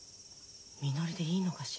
みのりでいいのかしら？